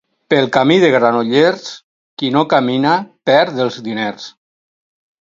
Pel camí de Granollers, qui no camina perd els diners.